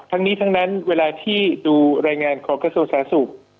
ทั้งนี้ทั้งนั้นเวลาที่ดูรายงานของกระทรวงสาธารณสุข